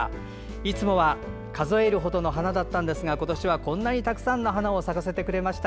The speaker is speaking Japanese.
いつもは数えるほどの花だったんですが今年は、こんなにたくさんの花を咲かせてくれました。